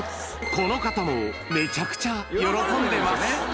この方もめちゃくちゃ喜んでます。